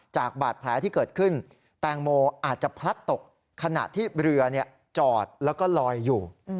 จากบาดแผลที่เกิดขึ้นแตงโมอาจจะพลัดตกขณะที่เรือจอดแล้วก็ลอยอยู่